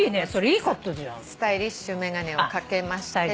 スタイリッシュ眼鏡をかけましてと。